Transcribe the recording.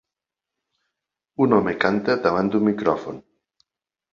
Un home canta davant d'un micròfon